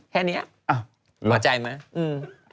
แค่นี้หวังใจไหม